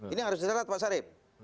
ini harus diselat pak sarip